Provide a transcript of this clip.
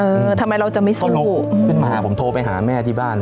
เออทำไมเราจะไม่สู้มาผมโทรไปหาแม่ที่บ้าน